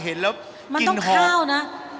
เห็นแล้วกินหอมมันต้องข้าวนะ